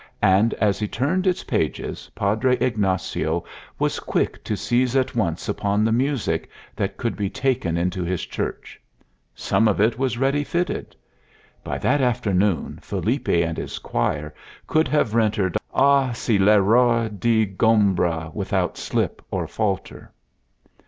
And as he turned its pages Padre Ignacio was quick to seize at once upon the music that could be taken into his church. Some of it was ready fitted. By that afternoon Felipe and his choir could have rendered "Ah! se l' error t' ingombra" without slip or falter.